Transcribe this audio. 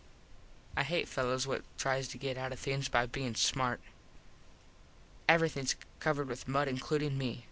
I hate fellos what tries to get out of things by bein smart. Everythings covered with mud includin me.